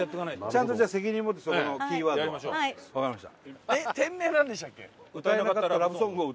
ちゃんとじゃあ責任持ってそのキーワードはわかりました。